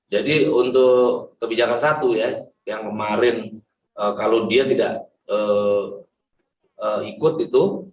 jadi untuk kebijakan satu ya yang kemarin kalau dia tidak ikut itu